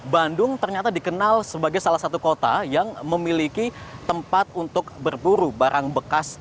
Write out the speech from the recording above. bandung ternyata dikenal sebagai salah satu kota yang memiliki tempat untuk berburu barang bekas